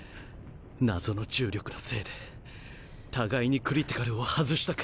謎の重力のせいで互いにクリティカルを外したか。